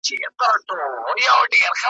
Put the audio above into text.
او زما شکر له خپل زړه سره پیوند دی `